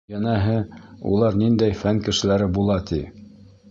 Йәнәһе, улар ниндәй фән кешеләре була, ти!